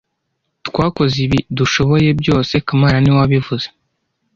Twakoze ibi dushoboye byose kamana niwe wabivuze